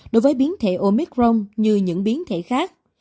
đối với biến thể omicron như những biến thể khác